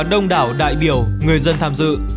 đông đảo đại biểu người dân tham dự